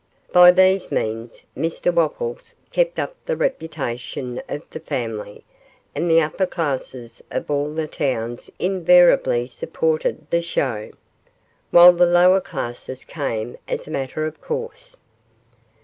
By these means Mr Wopples kept up the reputation of the family, and the upper classes of all the towns invariably supported the show, while the lower classes came as a matter of course.